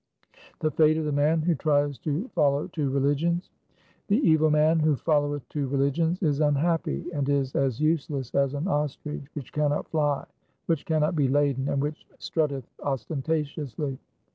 1 The fate of the man who tries to follow two religions :— The evil man who followeth two religions is unhappy, and is as useless as an ostrich which cannot fly, which cannot be laden, and which strutteth ostentatiously.